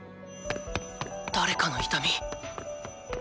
誰かの痛み！